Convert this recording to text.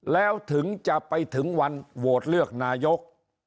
แล้วถึงจะไปถึงวันโหวตเลือกนายก